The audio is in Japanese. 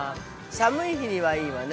◆寒い日には、いいわね。